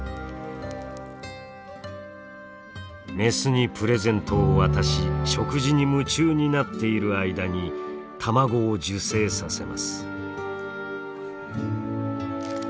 メスにプレゼントを渡し食事に夢中になっている間に卵を受精させます。